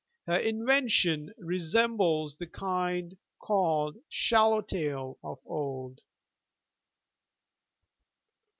Her invention resembles the kind called 'swallow tail' of old.